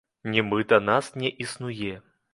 Нібыта нас не існуе.